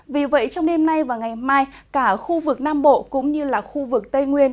vì vậy trong đêm nay và ngày mai cả khu vực nam bộ cũng như là khu vực tây nguyên